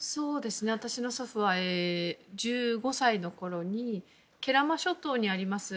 私の祖父は１５歳のころに慶良間諸島にあります